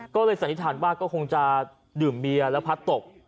ก็เลยสันนิษฐานว่าก็คงจะดื่มเบียร์แล้วพัดตก